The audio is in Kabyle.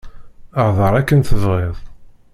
Hder akken tebɣiḍ.